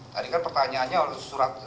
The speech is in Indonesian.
tadi kan pertanyaannya surat